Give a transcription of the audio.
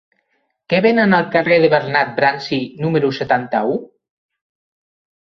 Què venen al carrer de Bernat Bransi número setanta-u?